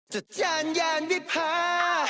จัดจานยานวิพา